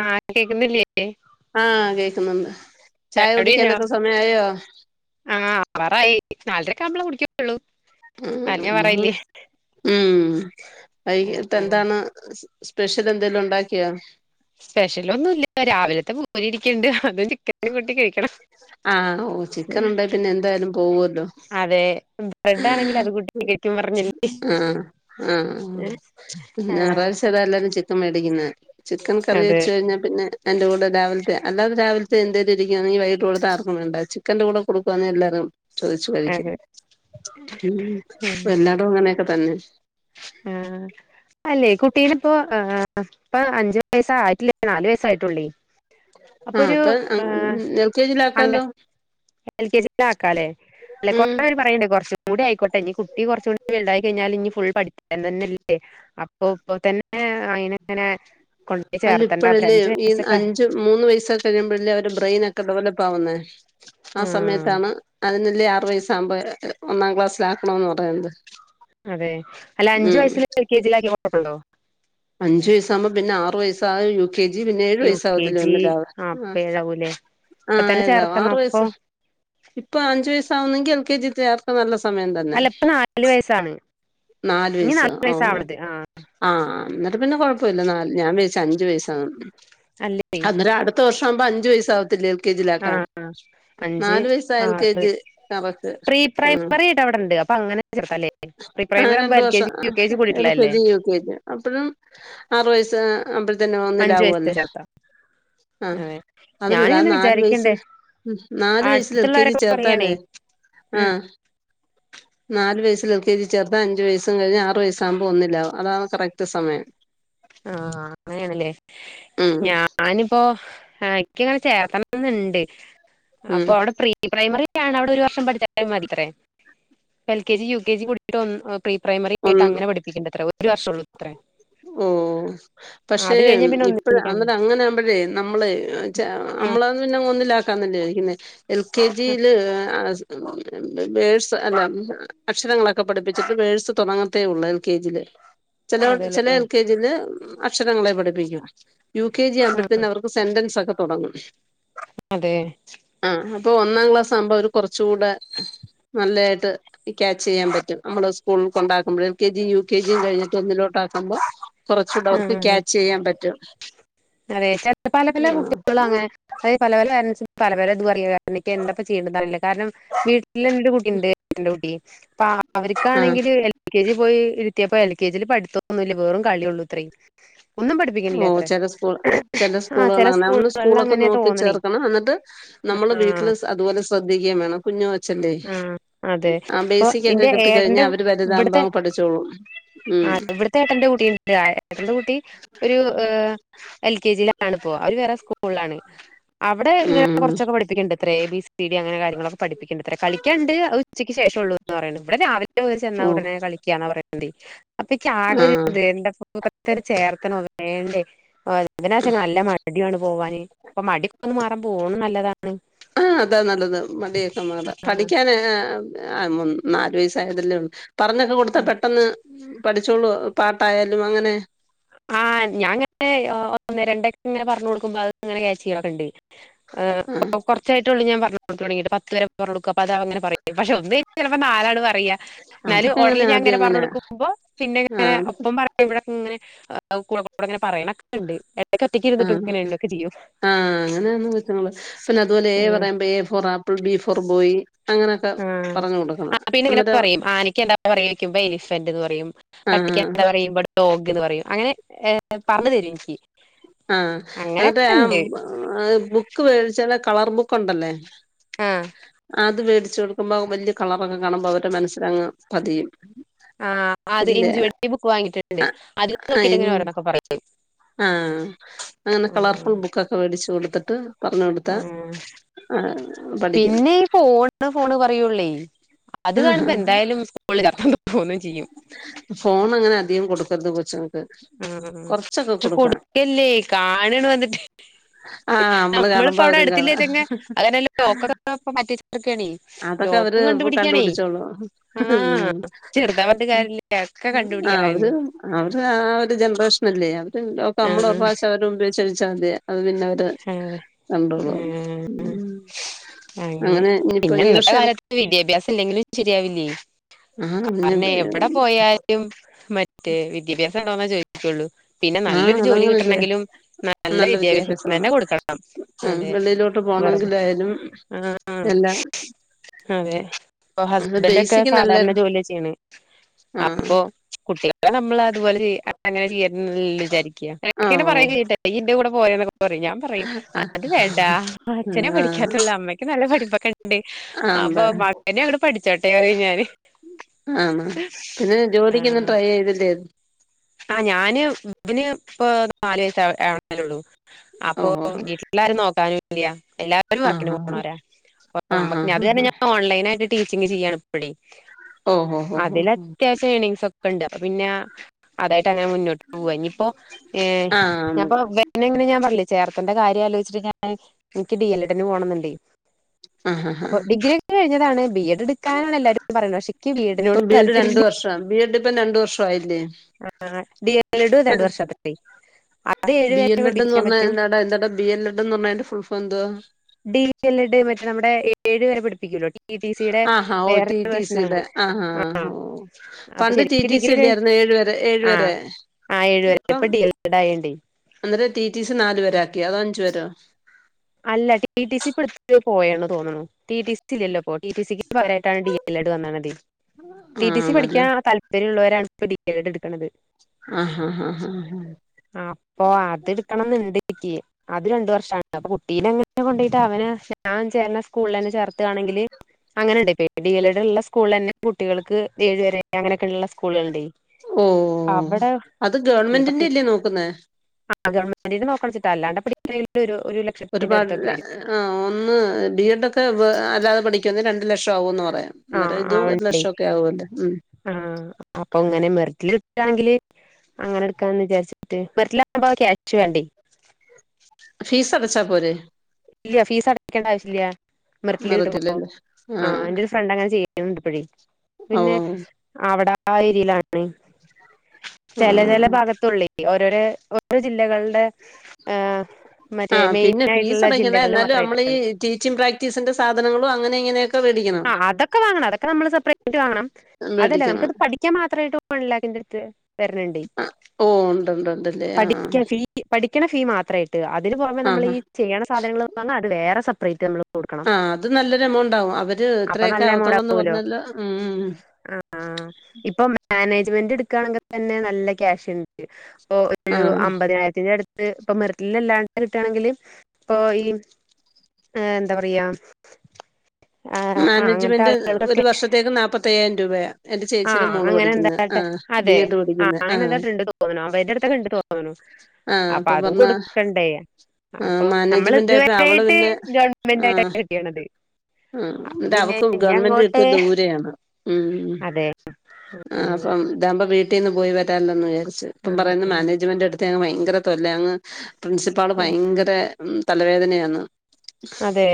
ആഹ് കേക്കുന്നില്ലേ ആ കേക്ക്ന്നുണ്ട്. ചായ കുടിക്കാനൊക്കെ സമയായോ? ആ ആവാറായി നാലരക്കെ ആവുമ്പളെ കുടിക്കള്ളൂ ഉം [unintelligible] നമ്മള് പറയില്ലേ. ഉം വൈകിട്ട് ആഹ് എന്താണ് സ്പെഷ്യൽ എന്തെലും ഉണ്ടാക്കിയോ? സ്പെഷ്യലൊന്നുല്ല രാവിലത്തെ പൂരി ഇരിക്ക്ണ്ട് അതും ചിക്ക ആ ഓ ചിക്കൻ ഉണ്ടേ പിന്നെ എന്തായാലും പോവുല്ലോ. അതെ ബ്രഡ് ആണെങ്കിൽ അത് കൂട്ടി [unintelligible] ആ ആ ആഹ് ഞായറാഴ്ചതല്ലാരും ചിക്കൻ മേടിക്കുന്നേ. ചിക്കൻ കറി അതെ വെച്ച് കഴിഞ്ഞാ പിന്നെ അയ്ന്റെ കൂടെ രാവിൽത്തെ അല്ലാതെ രാവിൽത്തെ എന്തേരി ഇരിക്കാണെങ്കി വൈകിട്ട് കൊടുത്ത ആർക്കും വേണ്ട. ചിക്കന്റെ കൂടെ കൊടുക്കാന്നേ [unintelligible] ചോദിച്ചു കഴിക്കും അതെ ഉം വല്ലാടും അങ്ങനെയക്കെ തന്നെ. ഉം അല്ലേ കുട്ടിയില് ഇപ്പോ ഏ ഇപ്പ അഞ്ച് വയസ്സായിട്ടില്ലേ നാല് വയസ്സായിട്ടൊള്ളേ. അപ്പൊ ഒരു ഏ എൽ കെ അംഗ ജിയിലാക്കാല്ലോ എൽ കെ ജില് ആക്കാല്ലെ? അല്ലെ കൊറേ ഉം പേര് പറയ്ണ്ടേ കൊർച്ച് കൂടി ആയിക്കോട്ടെ ഇഞ്ഞ് കുട്ടി കൊർച്ചൂടി ബൽതായി കയിഞ്ഞാല് ഇഞ്ഞി ഫുൾ പഠി [unintelligible] തന്നെല്ലേ അപ്പൊ ഇപ്പൊ തന്നെ അയിനങ്ങനെ കൊണ്ടോയി അല്ല ചേർത്തണ്ട [unintelligible] ഇപ്പഴല്ലേ അഞ്ച് ഈ വയസ്സൊക്കെ അഞ്ച് മൂന്ന് വയസൊക്കെ കഴിയുമ്പഴല്ലേ അവരെ ബ്രെയിനൊക്കെ ഡെവലപ്പാവുന്നേ. ആ ആഹ് സമയത്താണ് അതിനല്ലേ ആറു വയസാവുമ്പോ എ എ ഒന്നാം ക്ലാസ്സിലാക്കണന്ന് പറയുന്നത്. അതെ അല്ല അഞ്ച് ഉം വയസ്സിൽ എൽ കെ ജിയിലാക്കിയ കൊഴപ്പണ്ടോ? അഞ്ച് വയസ്സാകുമ്പോ പിന്നെ ആറ് വയസ്സായ യു കെ ജി പിന്നെ ഏഴ് യു കെ വയസാവത്തില്ലേ ജി ഒന്നിലാവ് ആഹ് ഇപ്പ ഏഴാവൂലേ ആ ആ ഇപ്പ തന്നെ [unintelligible] ചേർത്തണം ആറു അപ്പൊ വയസ്സ് ഇപ്പൊ അഞ്ച് വയസാവുന്നെങ്കിൽ എൽ കെ ജി ചേർ ഇപ്പ നല്ല സമയം തന്നെ അല്ല ഇപ്പൊ നാല് വയസ്സാണ് നാല് ഇനി വയസ്സ് ഓ വയസ്സാവണത് ആഹ് ഓ ആ ഇന്നട്ട് പിന്നെ കൊഴപ്പൊല്ല നാല് ഞാൻ വിചാരിച്ച് അഞ്ച് വയസ്സ അല്ലേ അന്നേരം അട് ത്ത വർഷം ആവുമ്പം അഞ്ച് വയസാവത്തില്ലേ എൽ കെ ജിലാക്കാൻ? ആ അഞ്ച്, നാല് വയസ്സായ L R K G correct pre ഉം പ്രൈമറി അഒടെ ഇണ്ട് അപ്പ അങ്ങനെ ചേർത്താല്ലേ പ്രീ ആ പ്രൈമറി ആവുമ്പ രണ്ട് എൽ കെ ജി, വർഷം U K G L K കൂടിയിട്ടേള്ളല്ലേ? ജി യു കെ ജി അപ്പഴും ആറ് വയസ്സ് ഏ ആവുമ്പത്തേനു അഞ്ചു ഒന്നിലാവു വയസ്സ് അല്ലേ. ചേർത്താ ആ അതെ അതല്ലെടാ ഞാനിങ്ങനെ നാല് വയസ്സ് വിചാരിക്കണ്ടേ ഉം നാല് വയസിൽ എൽ കെ ജി അടുത്തുള്ളവരൊക്കെ പറയാണേ ചേർത്താലേ ആ. ഉം നാല് വയസിൽ എൽ ക്കെ ജി ചേർത്താ അഞ്ച് വയസും കഴിഞ്ഞ് ആറ് വയസാകുമ്പോ ഒന്നിലാവും അതാണ് കറക് റ്റ് സമയം ആ അങ്ങനേണ്ല്ലേ ഉം ഞാനിപ്പോ [unintelligible] ഇക്കിങ്ങനെ ചേർത്തണന്ന്ണ്ട് അപ്പൊ ഉം അഒടെ പ്രി പ്രി പ്രൈമറിയാണ് അഒടെ ഒരു വർഷം പഠിച്ചാലും മതിത്രേ. L K G, U K G കൂടിയിട്ട് ഒന്ന് ഹേ പ്രീ പ്രൈമറി ആയിട്ട് ഒന്ന് അങ്ങനെ പഠിപ്പിക്കേണ്ടത്രേ ഒരു വർഷം ഉള്ളൂ അത്രേ. ഓഹ് ആ, പക്ഷേ അത് കഴിഞ്ഞാൽ പിന്നെ ഇപ്പഴ് ഒന്നിലേക്ക് അന്നട്ട് അങ്ങനെ ആകുമ്പഴേ നമ്മള് ച ആ നമ്മള പിന്നെ ഒന്നിലാക്കാന്നെല്ലേ ഇരിക്കുന്നെ എൽ കെ ജി യില് ആ സ് ബേ ബേഴ്സ് അല്ലാം അക്ഷരങ്ങളൊക്കെ പഠിപ്പിച്ചിട്ട് ബേസ് തുടങ്ങത്തേ ഒള്ളൂ എൽ കെ ജി യില് ചെലെ അതെല്ലേ ചെലെ എൽ കെ ജി ന്ന് അക്ഷരങ്ങളെ പഠിപ്പിക്കും യു കെ ജി ആ ആവുമ്പോഴത്തേന് അവർക്ക് സെന്റെൻസ് ഒക്കെ തുടങ്ങും അതെ ആഹ അപ്പൊ ഒന്നാം ക്ലാസ് ആകുമ്പോ അവര് കൊറച്ചു കൂടെ നല്ലായിട്ട് ക്യാച്ച് യ്യൻ പറ്റും നമ്മള് സ്കൂളിൽ കൊണ്ടാക്കുമ്പോൾ L K G U K ജിയും കഴിഞ്ഞിട്ട് ഒന്നിലോട്ട് ആക്കുമ്പോ കൊറച്ചൂടെ ആ അവർക്ക് ആ ക്യാച്ച് യ്യാൻ പറ്റും അതെ പല പല കുട്ടികളും അങ്ങനെ അതെ പല പല പേരൻസ് പലെ പലെ ഇത് പറയും എനിക്ക് എന്തപ്പ ചെയ്യണ്ടത് അറിയ്ണില്ല കാരണം വീട്ടിൽ തന്നെ ഒരു കുട്ടിയുണ്ട് എൻ്റെ കുട്ടി ആ ആ അവർക്കാണെങ്കില് എൽ കെ ജി പോയി ഇരുത്തിയപ്പോ എൽ കെ ജിൽ പഠിത്തം ഒന്നും ഇല്ല വെറും കളിയൊള്ളും അത്ര ഒന്നും ഓ പഠിപ്പിക്ക്ണില്ലാ ത്രേ ചെല സ്കൂൾ ചെല സ്കൂളുകൾ അങ്ങനെ നല്ല സ്കൂളൊക്കെ അങ്ങനെ നോക്കി തോന്നണേ ചേർക്കണം എന്നിട്ട് നമ്മള് ആ വീട്ടില് അതുപോലെ ശ്രദ്ധിക്കയും വേണം കുഞ്ഞു കൊച്ചെല്ലേ ആ അതെ ആ ഇപ്പൊ ബേസിക് ഒക്കെ എന്റെ കിട്ടി ഏട്ടന്റെ കഴിഞ്ഞാൽ അവര് വലുതാവുമ്പോ അങ്ങ് പഠിച്ചോളും ഉം ആ ഇവിടത്തെ ഏട്ടന്റെ കുട്ടിയുണ്ട് ഏട്ടന്റെ കുട്ടി ഒരു എൽ കെ ജി യിലാണ് ഇപ്പോ അവര് വേറെ സ്കൂളിലാണ് അവിടെ ഇങ്ങനെ ഉം കൊറച്ചൊക്കെ പഠിപ്പിക്ക്ണ്ട്ത്രേ എ ബി സി ഡി അങ്ങനെ കാര്യങ്ങളൊക്കെ പഠിപ്പിക്ക്ണ്ട് ത്രേ കളിക്കാണ്ട് ഉച്ചയ്ക്ക് ശേഷം ഉള്ളൂന്ന് പറയ്ണ് ഇവിടെ രാവിലെ മുതൽ ഓ ചെന്നാൽ ഉടനെ കളിക്കാന്ന പറയുന്നത് അപ്പൊ ഇക്ക് ആകെ ഒരു ആഹ് ഇത് എന്താപ്പോ ഇപ്പത്തന്നെ ചേർത്തണോ വേണ്ടേ അതിനാശ നല്ല മടിയാണ് പോവാന് അപ്പൊ മടി ഒന്ന് മാറാൻ പോണും നല്ലതാണ് ആ അതാ നല്ലത് മടിയായിട്ടൊന്നുല്ല പഠിക്കാൻ നാലു വയസ് തായതല്ലേ ഒള്ളും പറഞ്ഞൊക്കെ കൊടുത്ത പെട്ടെന്ന് പഠിച്ചോളൂ പാട്ടായാലും അങ്ങനെ ആഹ ഞാൻ ഇപ്പഴെ ഒന്ന് രണ്ടക്കെ ഇങ്ങനെ പറഞ്ഞു കൊടുക്കുമ്പോ അത് ഇങ്ങനെ ക്യാച്ച് ചെയ്ണൊക്കെണ്ട് അഹ ആഹ് അപ്പകൊറ് കൊറച്ചായിട്ടോളും ഞാൻ പറഞ്ഞു കൊടുത്ത് തുടങ്ങിട്ട് പത്ത് വരെ പറഞ് കൊടുക്കും അപ്പോ അത്‌ അവൻ ങ്ങനെ പറയും പക്ഷേ ഒന്ന് കയിഞ്ഞ ചിലപ്പോ നാലാണ് പറയാ എന്നാലും അതൊക്കെ അങ്ങനെ ഓർഡറിൽ ഞാൻ ആദ്യം ങ്ങനെ അങ്ങനെ പറഞ്ഞോടുക്കുമ്പോ പിന്നെങ്ങനെ ആഹ് ഒപ്പം പറ ഇവിടെക് ഇങ്ങനെ ആഹ് അഹ് കൊള ങ്ങനെ പറയണക്കെണ്ട് ആഹ ആഹ് അങ്ങനെണ് കൊച്ചുങ്ങള് പിന്നെ അതുപോലെ ഏ ആഹ് പറയുമ്പോ A for app apple B for boy ആഹ് പറഞ്ഞ് കൊടു ആ പിന്നെ ഇങ്ങനെ പറയും ആനക്ക് എന്താ പറയാ ചോയ്ക്കുമ്പോ എലിഫന്റ് എന്ന് പറയും പട്ടിക്ക് ആഹ് എന്താ പറയുമ്പോ ഡോഗ് എന്ന് പറയും അങ്ങനെ ഏ പറഞ്ഞു തരും എനിക്ക് ആഹ എന്നിട്ടേ അങ്ങനെയൊക്കെ ആ ഉണ്ട് ബുക്ക് മേടിച്ചാല കളർ ബുക്ക് ഉണ്ടല്ലേ ആഹ അത് വേടിച്ചു കൊടുക്ക്പോ വലിയ കളറൊക്കെ കാണുമ്പോ അവരുടെ മനസ്സിലങ്ങ് പതിയും ആ ഇല്ല അരഇഞ്ച് വെട്ടിബുക്ക് വാങ്ങിട്ടുണ്ട് അതിൽന്ന് നോക്കിട്ട എങ്ങനെ ഓരോന്നൊക്കെ പറയും ആഹ അങ്ങനെ ആഹ് കളർഫുൾ ബുക്കൊക്കെ മേടിച്ചു കൊടുത്തിട്ട് പറഞ്ഞു കൊടുത്താ ആഹ് ആഹ പഠിക്കും പിന്നെ ഈ ഫോണ് ഫോണ് പറയൂള്ളേ അത് ആഹ് കാണുമ്പോ എന്തായാലും സ്കൂളിൽ അത്ത [unintelligible] പോ ചെയ്യും ഫോൺ അങ്ങനെ അധികം കൊടുക്കരുത് കൊച്ങ്ങ ഉ പക്ഷെ കൊടുക്കല്ലേ കാണാണ് വന്നിട്ട് ആഹ് നമ്മള് നമ്മളിപ്പോ കാണുമ്പോ അവിടെ അവരും കാണും എടുത്തില്ലേച്ചങ്ങ അവര്ലോക്കൊക്കെ മാറ്റിച്ചിക്കാണെ അതൊക്കെ അവര് കണ്ടുപിടിച്ചോളൂ ആഹ് ചെറുതാ പറഞ്ഞിട്ട് കാര്യല്ല ഒക്കെ ആഹ അവര് കണ്ടുപിടിക്കാറായിരുന്നു അവര് ആ ഒരു ജനറേഷനല്ലേ അവര് ഒക്കെ നമ്മള് ആഹ് പ്രാവശ്യം അവരുമ്പിയച്ച് കഴിച്ചാമതി അത്, പിന്നെ, അവര് അതെ കണ്ടുളും. ആഹ് ഉം അങ്ങനെ, ഇനിപ്പോ പിന്നെ ഈ ഇന്നത്തെ വർഷം. കാലത്ത് വിദ്യാഭ്യാസം ഇല്ലെങ്കിലും ശരിയാവില്ലേ? ആ പിന്നെ കാരണം എവിടെ പോയാലും, മ റ്റേ വിദ്യാഭ്യാസം ഉണ്ടോന്ന ചോദിച്ചിക്കുള്ളൂ. പിന്നെ, ആ നല്ലൊരു ജോലി അതങ്ങനല്ലേ കിട്ടണെങ്കിലും നല്ല വിദ്യാഭ്യാസ തന്നെ കൊടുക്കണം. ഉം അതെ വെളിയിലോട്ട് വെറതെ, പോണെങ്കിലായാലും ആഹ് എല്ലാം അതെ, ഇപ്പൊ, ഹസ്ബൻഡ ഒക്കെ ബേസിക് നല്ല സാധാരണ ജോലിയ ചെയ്യണെ. ആ അപ്പൊ, കുട്ടിക നമ്മള് അതു പോലെ ചെയ്യ. അങ്ങന ചെയ്യ വിചാരിക്ക. എനിക് ആ തന്നെ ഓ പറയൻ കയ്യട്ടെ ഈയ് എന്റെ കൂടെ. പോയ ന്നൊക്കെ പറയും. ഞാൻ. പറയും, ആ അത് വേണ്ടാ, അച്ഛനെ ആ പഠിക്കാത്തുള്ള. അമ്മയ്ക്ക് നല്ല പഠിപ്പൊക്കെ ണ്ട്. ആഹ്, തെ തന്നെ അങ്ങ് പഠിച്ചോട്ടെറിയും, ഞാന് ആണോ, പിന്നെ ജോലിക്കോന്നും ആഹ് ട്രൈ ചെയ്തില്ലേ? ആഹ്, ഞാന്, ഇതിന് ഇപ്പ നാല് വയസ് ആവുന്നെ ള്ളൂ. ഓ അപ്പൊ, വീട്ടിലാരും നോക്കാനും ല്യ, എല്ലാ രും ആ ആ വർക്കിന് പോണോരാ. ആ ആ ആ നമ്മക്ക് അത് ആ കാരണം ഞാൻ ഓൺലൈനായിട്ട് ടീച്ചിങ് ചെയ്യാണ്. പ്പടി, ഓഹോ ഹോ ഹോ ഹോ അതിലെറ്റ ഏണിങ്സ് ഒക്കെ ഉണ്ട്. അപ്പൊ, പിന്ന അതായിട്ട് അങ്ങനെ മുന്നോട്ട്- പോവ, ഇനിയിപ്പോ, ഏ, ആഹ് ഞപ്പൊ പിന്നെ, ഇങ്ങനെ ഞാൻ പറഞ്ഞ ല്ലേ? ചേർത്തണ്ടെ കാര്യം ആലോചിട്ട്. ഞാൻ, എനിക്ക് ഡി എൽ എഡന് പോണന്നു ണ്ടെ.. ആഹ് ആഹ് അപ്പൊ ഡിഗ്രി എടുത്ത് കഴിഞ്ഞതാണ് ബി എ ഡ് ക്കാനാണ് എല്ലാരും പറയണത്. പക്ഷേ എനിക്ക് ബി എ ഡ് നോട് താല്പര്യ ല്ല. ബീ എഡ് ഇപ്പ രണ്ടു വർഷായില്ലേ? ആഹ് [unintelligible] രണ്ട് വർഷ [unintelligible] ബി എൽ എഡ് എന്ന് പറഞ്ഞാൽ എന്താടാ, എന്താടാ, ബി എൽ എഡ് എന്ന് പറഞ്ഞാൽ, അതിന്റെ ഫുൾ ഫോം എന്തുവാ, ഡി എൽ എഡ് മറ്റേ നമ്മുടെ ഏഴ് വരെ, പഠിപ്പിക്കൂ ല്ലോ? ആഹാ, ഓ ട്ടി ട്ടി സിടെ ആഹ്, ആഹ് ഓ അപ്പൊ പണ്ട് ട്ടി ശരിക്കും ട്ടി ഡിഗ്രി സി കഴി ല്ലായിരുന്ന ഏഴു വരെ ഏഴു ആഹ് വരെ. ആഹ് ഏഴുവരെ. ഇപ്പ ഡി എൽ എഡ് ആയോ ണ്ടേ? അന്നേ ടി ടി സി നാല് പേരാക്കി. അതോ അഞ്ജ് പേരോ, അല്ല, ടി ടി സി ഇപ്പ എടുത്ത് പോയാണ് തോന്നുന്നു. ടി ടി സി ഇല്ല ല്ലോ? ഇ ടി ടി സിക്ക് പകരയിയിട്ടാണ് ഡി ല്ലഡ് വന്നമതി. ടി ടി സി ആണല്ലേ പഠിക്കാൻ താല്പര്യള്ളവരാണ് ഇപ്പൊ ടി എൽ ഏഡ് എടുക്കണത്. ആ ഹ ഹാ ആഹ് അപ്പൊ അത് എടുക്കണം ന്ന് ഇണ്ടനിക്. അത്, രണ്ടു വർഷാണ്. അപ്പൊ കുട്ടീനെ അങ്ങനെ കൊണ്ടയിട്ട്, അവന് ഞാൻ ചേർന്ന സ്കൂളിൽ തന്നെ ചേർത്തുകണെങ്കില്. അങ്ങനെയണ്ട് ഇപ്പ ടി എ ൽ ഡ് ഉള്ള സ്കൂള തന്നെ, കുട്ടികൾക്ക് ഏഴ് വരെ അങ്ങനെയൊക്കെ ഉള്ള സ്കൂളുകലു ണ്ടെ. ഓ, അത് ഗവൺമെന്റിന്റെ യല്ലേ നോക്ക്‌ ന്നേ? ആഹ്, ഗവൺമെന്റി ന്റ നോക്കണച്ചിട്ടാ. അല്ലാണ്ട് പ്പ ഡിഗ്രിലൊരു ഒര് ല ഒര്പാട് ആഹ് ഒന്ന് ബി എ ഡൊ ക്കെ അല്ലാതെ പഠിക്കന്നേ രണ്ട് ലക്ഷംമാവുംന്ന് പറയാം. അന്നേരം ഇതും ഒര് വർഷം ഒക്കെ ആവുലേ? ഉം. ആഹ്, അപ്പ ങ്ങനെ മെറിറ്റില് കിട്ട ണെങ്കില് അങ്ങനെ എട്ക്കാന്ന് വിചാരിച്ച് മെറിറ്റിലാവ്മ്പ ക്യാഷ് വേണ്ടേ ഫീസ് അടച്ചാ പോരേ ഇല്യ ഫീസഅടക്കണ്ട ആവശ്യല്യ മെറിറ്റില് കിട്ട്മ്പ മെറിറ്റിലല്ലേ ആഹ്, ന്റെ ഒര് ഫ്രണ്ട് അങ്ങനെ ചെയ്യ്ണ് ണ്ട്. ഇപ്പഴേ ഓ പിന്നെ ആഹ് വട ആ ഏരിയെലാണെ ചെല ചെല ആഹ് ഭാഗത്തൊള്ളേ ഓരോരേ ഓരോ ജില്ലകൾടെ ഏഹ് മറ്റേ ആഹ് മെയിൻ പിന്നെ ആയിട്ടുള്ള ഫീസടയ്ക്കണേ ‌ ജില്ലകളിൽ ന്നാലും അമ്മളീ മാത്രമായിട്ടാണ് ടീച്ചിംഗ് പ്രാക്ടീസിന്റെ സാധനങ്ങളും അങ്ങനെ ഇങ്ങനെയൊക് ആഹ് അതൊക്കെ വാങ്ങണം അതൊക്കെ നമ്മള് സപ്പറേറ്റ് വാങ്ങണം. അതല്ല മേടിക്കണം നമുക്കത് പഠിക്കാം മാത്രായിട്ട് വൺ ലാക്കിന്റെട്ത്ത് വെര്ണ് ണ്ടേ ഓഹ് ണ്ട് ണ്ട് ണ്ട് ല്ലേ പഠിക്കാ ഫീ പഠിക്ക്‌ണ ഫീ മാത്രായ്ട്ട് അതിന് പൊറമെ നമ്മളീ ആഹ് ചെയ്യ്ണ സാധനങ്ങള്ന്ന് പറഞ്ഞാ അത് വേറെ സെപ്പറേറ്റ് നമ്മള് കൊട്ക്കണം. ത് നല്ലൊരെമൗണ്ടാകും അവര് ത്രയൊക്കെ ആവത്തോളന്ന് പർഞ്ഞല്ലൊ ഉം ഉം. ആഹ് ഇപ്പം മാനേജ്മെന്റെ ട്ക്കാണങ്കതന്നെ നല്ല ക്യാഷ് ണ്ട്. പൊ ഒ രു ആഹ് അമ്പതിനായിരത്തിന്റെടുത്ത് പ്പൊ മെറിറ്റിലല്ലാണ്ട് കിട്ടാണെങ്കില് പ്പൊ ഈ ഏഹ് എന്താ പറയാ? ആഹ് അങ്ങനത്തെ മാനേജ്മെന്റ് ഒര് ആളുകൾക്കൊക്കെ വർഷത്തേക്ക് നാപ്പത്തയ്യായിരം രൂപയാ എന്റെ ചേച്ചിടെ ആഹ് മോള് അങ്ങനെ പഠിക്ക്‌ന്നേ എന്താട്ടെ ആഹ് ബി എഡ് പഠിക്ക്‌ന്നേ ആഹ്. തോന്ന്ണു അവര്ടെ ട്ത്തൊക്കെണ്ട് തോന്ന്ണു ആഹ് അപ്പ പർഞ്ഞാ ആഹ് അപ്പൊ നമ്മൾ മാനേജ്മെന്റായപ്പ അവള് ഇതുവരായിട്ട് പിന്നെ ഗവൺമെന്റ് ആയിട്ടാ ആഹ് കിട്ടിയണത് ഉം അപ്പൊ പിന്നെ ന്ന്‌ട്ടവക്ക് ഇനി ഗവൺമെന്റ് അങ്ങോട്ട് കിട്ട്യ ദൂരെയാണ്. ഊം അതെ ആഹ് സ്വം താമ്പ വീട്ടിന്ന് പോയി വരാല്ലോന്ന് വിചാരിച്ച്. പ്പം പറയ്ന്ന് ആഹ് മാനേജ്മെന്റ് എടുത്തയങ്ങ് ഭയങ്കര തൊല്ലാങ്ങ് പ്രിൻസിപ്പാള് ഭയങ്കെര ഉം തലവേദനയാന്ന്. അതെ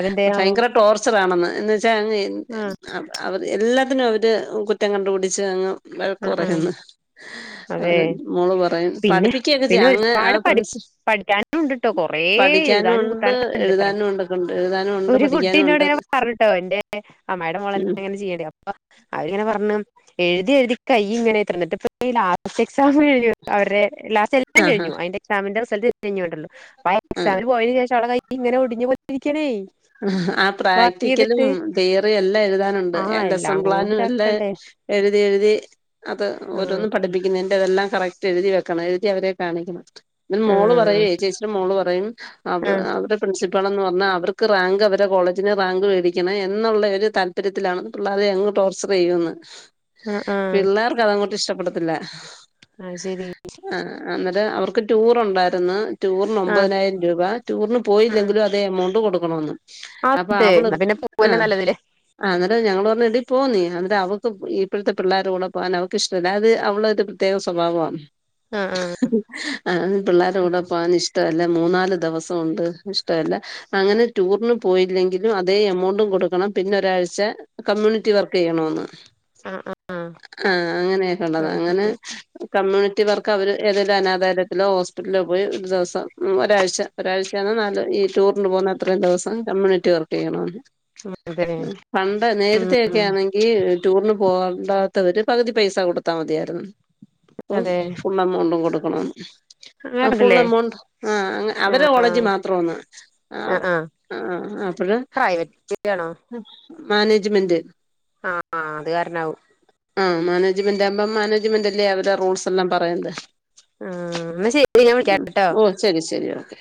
അതെന്തെ ആവോ? ഭയങ്കര ടോർച്ചറാണെന്ന് എന്നു വെച്ചാ അങ്ങ് എൻ എ ആഹ് അ അവത് എല്ലാത്തിനും അവര് കുറ്റം കണ്ട്പിടിച്ചങ്ങ് വഴക്ക്‌ ആഹ് ആഹ് പറഞ്ഞെന്ന് അതെ മോള് പറയ്ന്ന് പിന്നെ പിന്നെ ഒര്പാട് പഠ് പഠിക്കാനും ണ്ട്ട്ടോ കൊറേ പഠിക്കാനും എഴ്താനും ഉണ്ട് കുത്താനൊക്കെണ്ട്ത്രേ. എഴുതാനും ഉണ്ടൊക്കെ ഉണ്ട് എഴുതാനും ഉണ്ട് ഒര് പഠിക്കാനും കുട്ടീനോട് ഉണ്ട് ഞാൻ പർഞ്ഞുട്ടോ എന്റെ അമ്മായിടെ ഉം മൊളന്നെങ്ങനെ [unintelligible] പ്പം അവര്ങ്ങനെ പർഞ്ഞു എഴ്തി എഴ്തി കയ്യിങ്ങനെത്ര ന്നിട്ട്പ്പ ഈ ലാസ്റ്റെക്സാം കഴ്ഞ്ഞു അവര്ടെ ലാസ്റ്റെല്ലാം ആഹാ കഴ്ഞ്ഞു അയിന്റെ എക്സാമിന്റെ റിസൾട്ട് [unintelligible] പ്പയെക് ആ സാമിന് പോയതിന് ശേഷവളെ കയ്യിങ്ങനെ ഒടിഞ്ഞ് പൊട്ടീക്ക്ണേ ആഹ് പ്രാക്ടിക്കലും തിയറിയും എല്ലെഴുതാനൊണ്ട് ആ എൽ എല്ലാം എസ്സം കൂടി പ്ലാനും എല്ലേ ഇതാക്കണ്ടേ എഴ്തി എഴ്തി അത് ഓരോന്നും പഠിപ്പിക്കുന്നെന്റെതെല്ലാം കറക്റ്റ് എഴ്തി വെക്കണം എഴ്തി അവരെ കാണിക്കണം. ന്നെ ആ മോള് പറയേ ചേച്ചിടെ മോള് പറയും അവ ആ അവര്‌ടെ പ്രിൻസിപ്പാളെന്ന് പർഞ്ഞാ അവർ ക്ക് റാങ്കവരെ കോളേജിന് റാങ്ക് വേടിക്കണം എന്നുള്ള ഒര് താൽപര്യത്തിലാണ് പിള്ളാരെ അങ്ങ് ട്ടോർച്ചറെയ്യുന്ന്. ആ ആ പിള്ളേർക്കതങ്ങോട്ടിഷ്ട്ടപ്പെടത്തില്ല. അയ് ശെരി. അഅആഹ് അന്നിട്ട് അവർക്ക് ടൂറൊണ്ടായര്ന്ന് ടൂർനൊ ആ മ്പതിനായിരം രൂപ ടൂറിന് ആ പോയില്ലെങ്കിലും അ തെമൗണ്ട് കൊട്ക്കണോന്ന് ആ, അതെ അപ്പവള് എന്നാ പിന്നെ പോവല്ലേ ആഹ് നല്ലതില്ലേ ആന്ന്ട്ട് ഞങ്ങള് പറഞ്ഞ് എടി പോ നീ അന്ന്ട്ട് അവക്ക് ഇപ്പഴത്തെ പിള്ളാര്ടെ കൂടെ പോകാനവക്കിഷ്ട്ടല്ല അത് അവളൊരു ത്യേക സൊഭാവാന്. ആ ആ ആഹ് പിള്ളേര്ടെ കൂടെ പോവാനിഷ്ടവല്ല മൂന്നാല് ദെവസൊണ്ട് ഇഷ്ടവല്ല അങ്ങനെ ടൂറിന് പോയില്ലെങ്കിലും അതേ എമൗണ്ടും കൊടുക്കണം പിന്നൊരാഴ്ച കമ്മ്യൂണിറ്റി വർക്കെയ്യണോന്ന്. ആ ആ ആഹ് അങ്ങനെയൊക്കെള്ളത ആ, അങ്ങനെ ശരി കമ്മ്യൂണിറ്റി വർ ഒക്കെ അവര് ഏതെലും അനാദാലയത്തിലോ ഹോസ്പിറ്റലോ പോയി ഒരു ദിവസം ഒരാഴ്ച ഒരാഴ്ചയാണ് നാല് ഈ ടൂർന് പോന്നത് അത്രയും ദിവസം കമ്മ്യൂണിറ്റി വർക്ക് ചെയ്യണോന്ന് അതെ പണ്ട് നേരത്തെക്കെ ആണെ ഈ ടൂറിന് പോകണ്ടാത്തവര് പകുതി പൈസ കൊടുത്താ മതിയാരുന്നു അതെ അപ്പം എമൗണ്ടും കൊടുക്കണംന്ന് അങ്ങനെ ആ ഫുൾ കണ്ടില്ലേ എമൗണ്ട് ആ അവരെ കോളേജ് മാത്രന്ന് ആഹ് ആ അപ്പഴ് പ്രൈവറ്റ് ആണോ മാനേജ്മെന്റ് ആ അത് കാരണാവും ആ മാനേജ്മെന്റ് ആവുമ്പം മാനേജ്മെന്റല്ലേ അവരെ റൂൾസ് എല്ലാം പറയ്ണത് ആഹ് എന്നാ ശരി ഞാൻ ഉം വിളിക്കാട്ടോ ഓഹ് ശരി ശരി ഓക്കെ